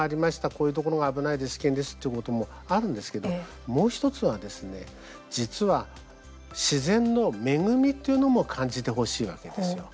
こういうところが危ないです危険ですっていうこともあるんですけどもう１つはですね、実は自然の恵みっていうのも感じてほしいわけですよ。